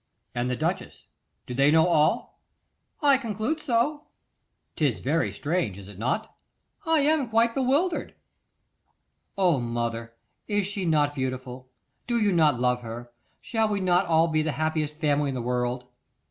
'And the duchess; do they know all?' 'I conclude so.' ''Tis very strange, is it not?' 'I am quite bewildered.' 'O mother! is she not beautiful? Do you not love her? Shall we not all be the happiest family in the world?